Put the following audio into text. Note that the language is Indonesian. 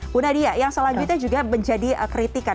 bu nadia yang selanjutnya juga menjadi kritikan